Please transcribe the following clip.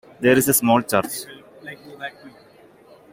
There is a small church.